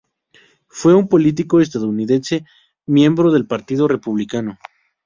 Fue un político estadounidense miembro del Partido Republicano.